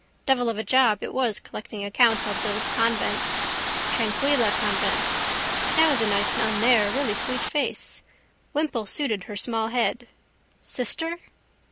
Devil of a job it was collecting accounts of those convents. Tranquilla convent. That was a nice nun there, really sweet face. Wimple suited her small head. Sister?